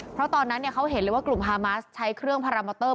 เพราะตอนนั้นเขาเห็นเลยว่ากลุ่มฮามาสใช้เครื่องพารามอเตอร์